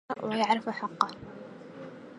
للضيف أن يقرى ويعرف حقه